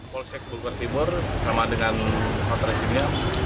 polsek bogor timur sama dengan kontraksinya